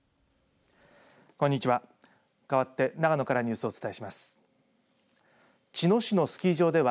こんにちは。